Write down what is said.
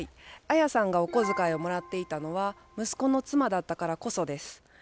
アヤさんがお小遣いをもらっていたのは息子の妻だったからこそです。